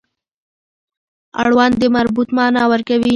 اړوند د مربوط معنا ورکوي.